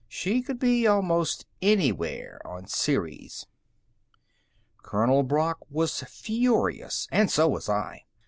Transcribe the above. She could be almost anywhere on Ceres. Colonel Brock was furious and so was I.